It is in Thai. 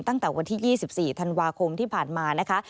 ตั้งแต่วันที่๒๔ธันวาคมที่ผ่านมานะคะ